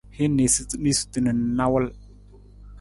Hin niisaniisatu na nawul.